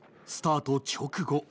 スタート直後。